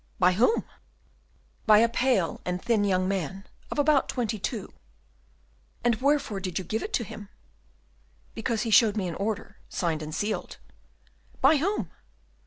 "By whom?" "By a pale and thin young man, of about twenty two." "And wherefore did you give it up to him?" "Because he showed me an order, signed and sealed." "By whom?"